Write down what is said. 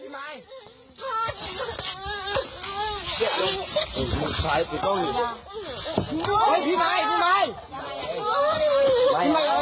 พี่หมายพอแล้ว